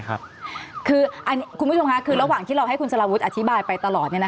คุณผู้ชมค่ะคือระหว่างที่เราให้คุณสลาวุฒิอธิบายไปตลอด